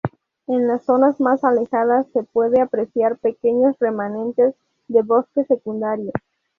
En las zonas más alejadas se puede apreciar pequeños remanentes de bosque secundario.